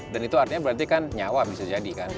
dan itu artinya berarti kan nyawa bisa jadi kan